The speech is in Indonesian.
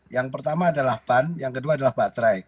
yang pertama adalah ban yang kedua adalah baterai